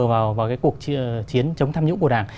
vào cái cuộc chiến chống tham nhũng của đảng